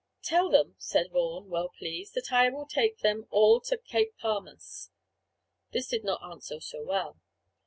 "Tell them," said Vaughan, well pleased, "that I will take them all to Cape Palmas." This did not answer so well.